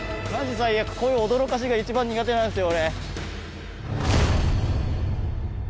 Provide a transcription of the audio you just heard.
最悪こういう驚かしが一番苦手なんすよ